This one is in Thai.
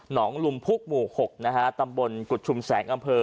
งลุมพุกหมู่๖นะฮะตำบลกุฎชุมแสงอำเภอ